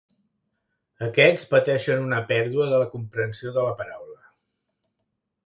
Aquests pateixen una pèrdua de la comprensió de la paraula.